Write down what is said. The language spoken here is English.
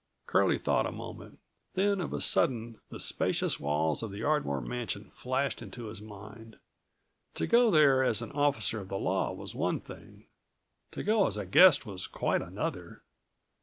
Curlie thought a moment, then of a sudden the spacious walls of the Ardmore mansion flashed into his mind. To go there as an officer of the law was one thing; to go as a guest was quite another.